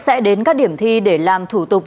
sẽ đến các điểm thi để làm thủ tục